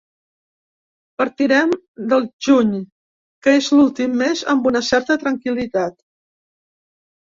Partirem del juny, que és l’últim mes amb una certa tranquil·litat.